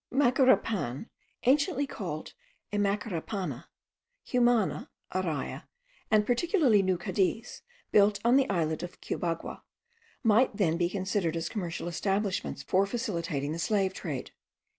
Macarapan, anciently called Amaracapana, Cumana, Araya, and particularly New Cadiz, built on the islet of Cubagua, might then be considered as commercial establishments for facilitating the slave trade.